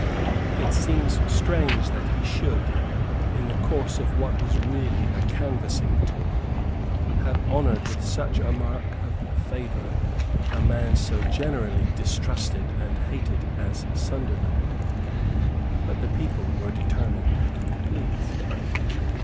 It seems strange that he should, in the course of what was really a canvassing tour, have honoured with such a mark of favour a man so generally distrusted and hated as Sunderland. But the people were determined to be pleased.